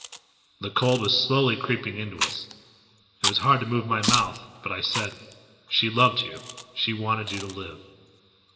The cold was slowly creeping into us. It was hard to move my mouth, but I said, "She loved you, she wanted you to live."